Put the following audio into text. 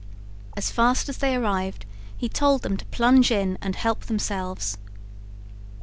As fast as they arrived he told them to plunge in and help themselves.